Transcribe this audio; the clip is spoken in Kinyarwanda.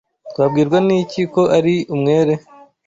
Tubwirwa n'iki ko ari umwere?